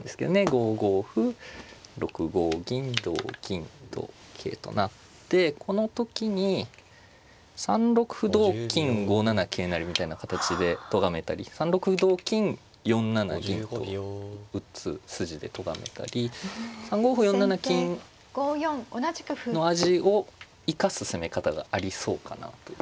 ５五歩６五銀同銀同桂となってこの時に３六歩同金５七桂成みたいな形でとがめたり３六歩同金４七銀と打つ筋でとがめたり３五歩４七金の味を生かす攻め方がありそうかなという。